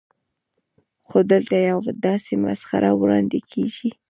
خو دلته یوه داسې مسخره وړاندې کېږي.